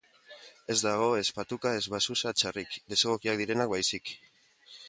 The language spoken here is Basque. Ez dago ez patuka ez babuxa txarrik, desegokiak direnak baizik.